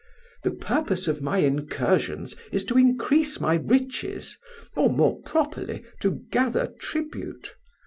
The purpose of my incursions is to increase my riches, or, more properly, to gather tribute.